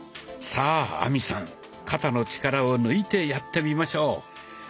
さあ亜美さん肩の力を抜いてやってみましょう。